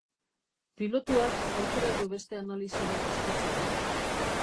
Pilotuak aukera du beste analisi bat eskatzeko.